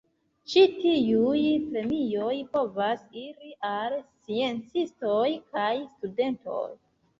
Ĉi tiuj premioj povas iri al sciencistoj kaj studentoj.